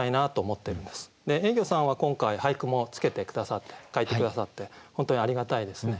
えいぎょさんは今回俳句もつけて下さって書いて下さって本当にありがたいですね。